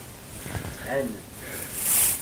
Ɛaned.